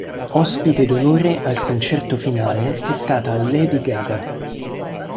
Ospite d'onore al concerto finale è stata Lady Gaga.